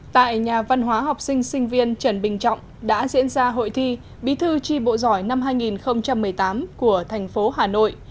tại nhà văn hóa học sinh sinh viên trần bình trọng đã diễn ra hội thi bí thư tri bộ giỏi năm hai nghìn một mươi tám của thành phố hà nội